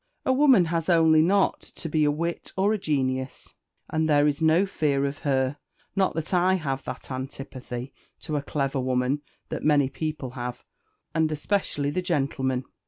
"A woman has only not to be a wit or a genius, and there is no fear of her; not that I have that antipathy to a clever woman that many people have, and especially the gentlemen.